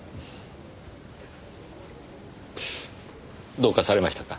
どうかされましたか？